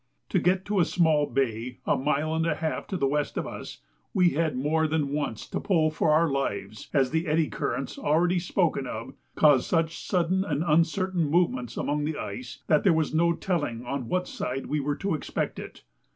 To get to a small bay a mile and a half to the west of us, we had more than once to pull for our lives, as the eddy currents already spoken of caused such sudden and uncertain movements among the ice that there was no telling on what side we were to expect it.